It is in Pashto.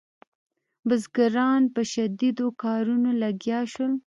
بزګران په شدیدو کارونو لګیا شول.